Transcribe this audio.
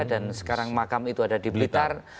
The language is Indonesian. dan sekarang makam itu ada di blitar